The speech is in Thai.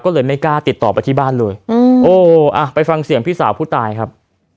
ก็เลยไม่กล้าติดต่อไปที่บ้านเลยอืมโอ้อ่ะไปฟังเสียงพี่สาวผู้ตายครับ